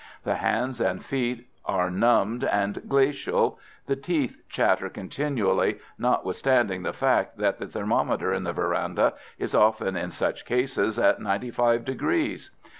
The hands and feet are numbed and glacial; the teeth chatter continually, notwithstanding the fact that the thermometer in the verandah is often, in such cases, at 95 degrees.